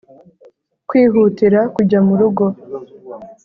kwihutira kujya mu rugo.